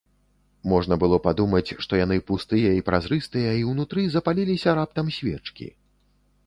Можна было падумаць, што яны пустыя і празрыстыя і ўнутры запаліліся раптам свечкі.